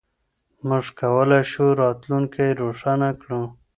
موږ کولای شو راتلونکی روښانه کړو.